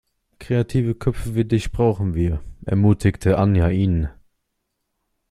Kreative Köpfe wie dich brauchen wir, ermutigte Anja ihn.